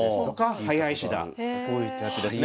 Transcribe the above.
こういったやつですね。